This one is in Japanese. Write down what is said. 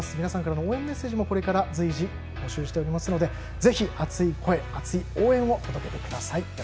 皆さんからの応援メッセージも募集しておりますのでぜひ、熱い声、熱い応援を届けてください。